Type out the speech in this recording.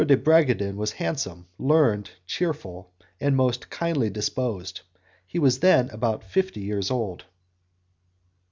de Bragadin was handsome, learned, cheerful, and most kindly disposed; he was then about fifty years old.